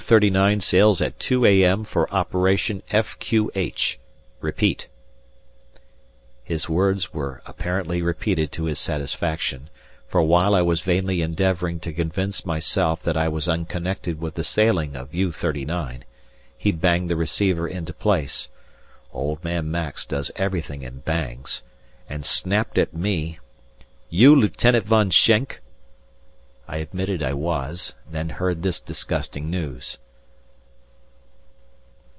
39 sails at 2 a.m. for operation F.Q.H. Repeat." His words were apparently repeated to his satisfaction, for while I was vainly endeavouring to convince myself that I was unconnected with the sailing of U.39, he banged the receiver into place (Old Man Max does everything in bangs) and snapped at me. "You Lieutenant Von Schenk?" I admitted I was, and then heard this disgusting news.